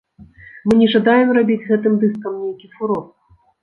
Мы не жадаем рабіць гэтым дыскам нейкі фурор.